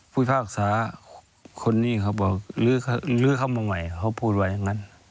พิพากษาคนนี้เขาบอกลื้อเข้ามาใหม่เขาพูดไว้อย่างนั้น